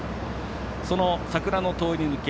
その桜の通り抜け